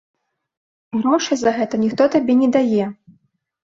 Грошай за гэта ніхто табе не дае.